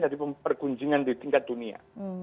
jadi pergunjungan di tingkat dunia